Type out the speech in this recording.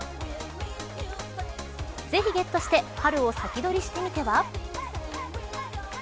ぜひゲットして春を先取りしてみては。